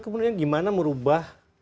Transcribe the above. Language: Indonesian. kemudian gimana merubah